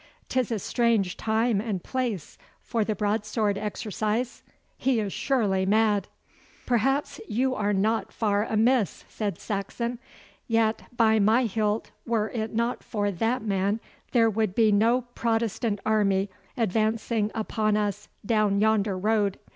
'Tis a strange time and place for the broadsword exercise. He is surely mad.' 'Perhaps you are not far amiss,' said Saxon. 'Yet, by my hilt, were it not for that man there would be no Protestant army advancing upon us down yonder road.